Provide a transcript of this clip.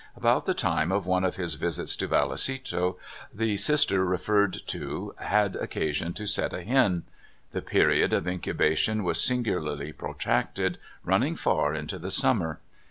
About the time of one of his visits to Vallecito, the sister referred to had oc casion to set a hen. The period of incubation was singularly protracted, running far into the sum mer.